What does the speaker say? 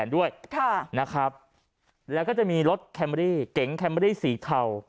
ด้วยค่ะนะครับแล้วก็จะมีรถแคมเมอรี่เก๋งแคมเมอรี่สีเทา